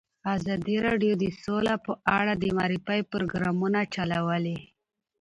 ازادي راډیو د سوله په اړه د معارفې پروګرامونه چلولي.